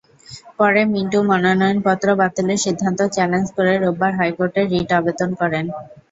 পরে মিন্টু মনোনয়নপত্র বাতিলের সিদ্ধান্ত চ্যালেঞ্জ করে রোববার হাইকোর্টে রিট আবেদন করেন।